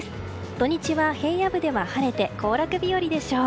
土日は平野部では晴れて行楽日和でしょう。